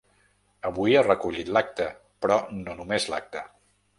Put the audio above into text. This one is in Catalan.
Avui he recollit l'acta, però no només l'acta.